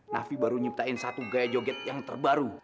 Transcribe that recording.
nafi baru nyiptain satu gaya joget yang terbaru